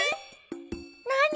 なに？